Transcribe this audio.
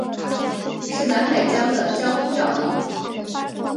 是南北疆的交通要道。